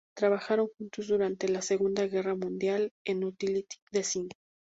Trabajaron juntos durante la Segunda Guerra Mundial en Utility Design.